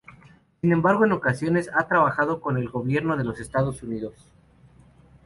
Sin embargo en ocasiones ha trabajado con el gobierno de los Estados Unidos.